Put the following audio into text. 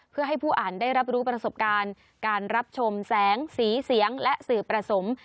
เพื่อให้ผู้อ่านได้รับรู้ประสบการณ์การรับชมแสงสีเสียงและสื่อประสงค์